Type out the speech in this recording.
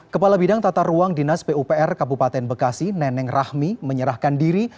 kepala bidang tata ruang dinas pupr kabupaten bekasi neneng rahmi menyerahkan diri